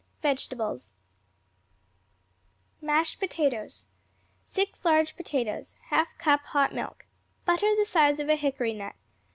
VEGETABLES Mashed Potatoes 6 large potatoes. 1/2 cup hot milk. Butter the size of a hickory nut.